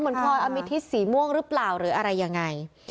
เหมือนกันเนาะมีที่สีม่วงรึเปล่าหรืออะไรยังไง